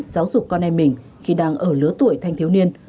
giáo dục con em mình khi đang ở lứa tuổi thanh thiếu niên